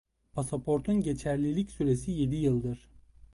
Pasaportun geçerlilik süresi yedi yıldır.